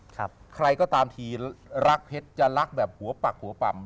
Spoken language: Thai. ใครก็ตามทีรักเพชรจะรักแบบหัวปักหัวป่ำ